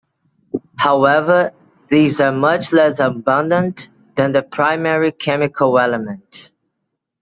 However, these are much less abundant than the primary chemical elements.